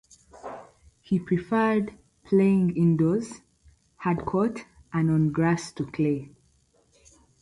He preferred playing indoors, hardcourt and on grass to clay.